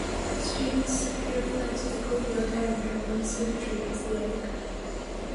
Students simply refer to the courtyard area around this oak tree as The Oak.